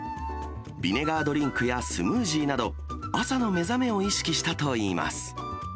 ビネガードリンクやスムージーなど、朝の目覚めを意識したといいます。